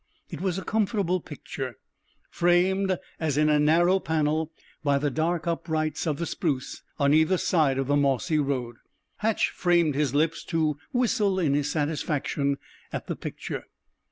It was a comfortable picture, framed as in a narrow panel by the dark uprights of the spruce on either side of the mossy road. Hatch framed his lips to whistle in his satisfaction at the picture.